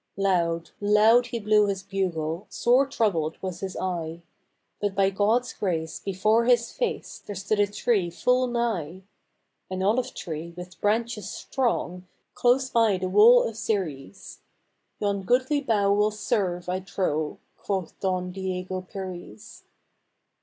Loud, loud he blew his bugle, sore troubled was his eye, But by God's grace before his face there stood a tree full nigh, — An olive tree with branches strong, close by the wall of Xeres, — "Yon goodly bough will serve, I trow," quoth Don Diego Perez.